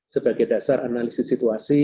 sebagai dasar analisis situasi